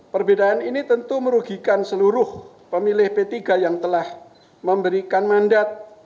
perbedaan ini tentu merugikan seluruh pemilih p tiga yang telah memberikan mandat